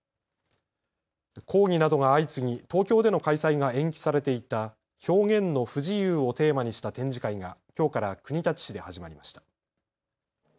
抗議などが相次ぎ、東京での開催が延期されていた表現の不自由をテーマにした展示会が、きょうから国立市で始まりました。